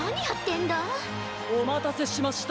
おまたせしました。